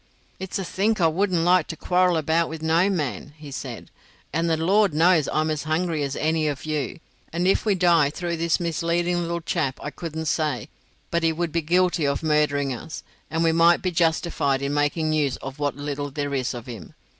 "It's a think I wouldn't like to quarrel about with no man," he said, "and the Lord knows I am as hungry as any of you; and if we die through this misleading little chap I couldn't say but he would be guilty of murdering us, and we might be justified in making use of what little there is of him.